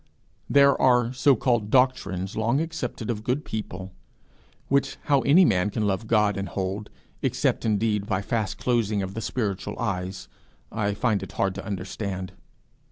There are so called doctrines long accepted of good people, which how any man can love God and hold, except indeed by fast closing of the spiritual eyes, I find it hard to understand.